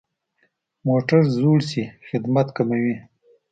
موټر زوړ شي، خدمت کموي.